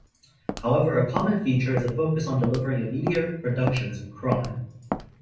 However a common feature is a focus on delivering immediate reductions in crime.